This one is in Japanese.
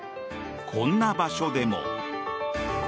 こんな場所でも。